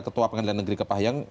ketua pengadilan negeri kepahyang